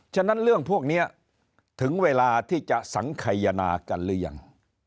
ฉะนั้นเรื่องพวกนี้ถึงเวลาที่จะสังขยนากันหรือยัง